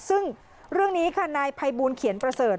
ซึ่งเรื่องนี้ค่ะนายภัยบูลเขียนประเสริฐ